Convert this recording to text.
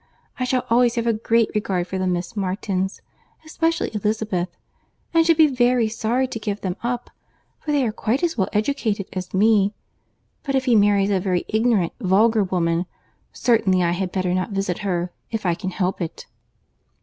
I shall always have a great regard for the Miss Martins, especially Elizabeth, and should be very sorry to give them up, for they are quite as well educated as me. But if he marries a very ignorant, vulgar woman, certainly I had better not visit her, if I can help it."